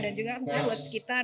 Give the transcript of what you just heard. dan juga misalnya buat sekitar